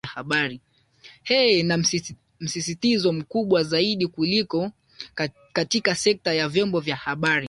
eeh na msisitizo mkubwa zaidi kuliko katika sekta ya vyombo vya habari